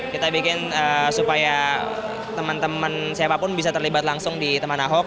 kita bikin supaya teman teman siapapun bisa terlibat langsung di teman ahok